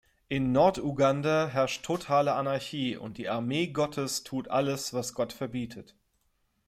In Norduganda herrscht totale Anarchie, und die "Armee Gottes" tut alles, was Gott verbietet.